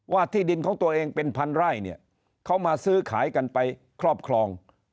ที่ดินของตัวเองเป็นพันไร่เนี่ยเขามาซื้อขายกันไปครอบครอง